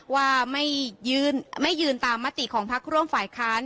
ว่าไม่ยืนตามมติของพักร่วมฝ่ายค้าน